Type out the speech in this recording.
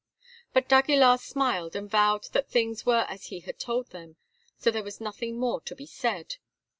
But d'Aguilar smiled, and vowed that things were as he had told them, so there was nothing more to be said.